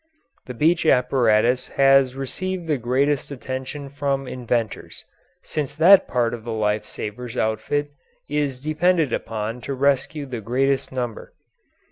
The beach apparatus has received the greatest attention from inventors, since that part of the life savers' outfit is depended upon to rescue the greatest number.